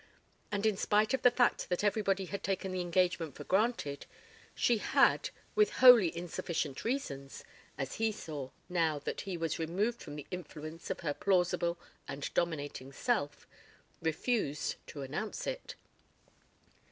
... And in spite of the fact that everybody had taken the engagement for granted, she had, with wholly insufficient reasons, as he saw, now that he was removed from the influence of her plausible and dominating self, refused to announce it.